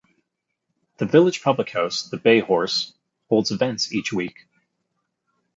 The village public house, the Bay Horse, holds events each week.